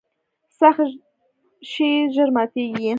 سخت شی ژر ماتیږي.